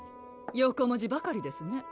横文字ばかりですね